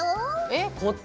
えっ！